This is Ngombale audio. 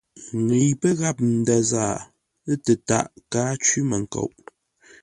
Ŋəi pə́ gháp ndə̂ zaa tətaʼ káa cwí-mənkoŋ.